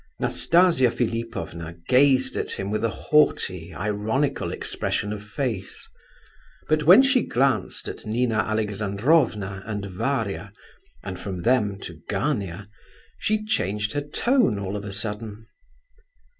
Nastasia Philipovna gazed at him with a haughty, ironical expression of face; but when she glanced at Nina Alexandrovna and Varia, and from them to Gania, she changed her tone, all of a sudden.